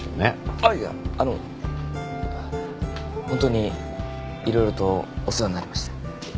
あっいやあのホントに色々とお世話になりました。